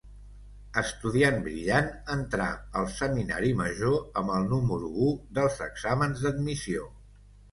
Estudiant brillant, entrà al Seminari Major amb el número u dels exàmens d'admissió.